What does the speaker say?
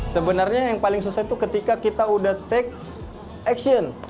sebenarnya yang paling susah itu ketika kita udah take action